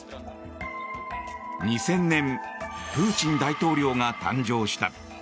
２０００年プーチン大統領が誕生した。